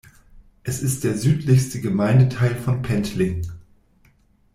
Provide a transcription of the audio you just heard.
Es ist der südlichste Gemeindeteil von Pentling.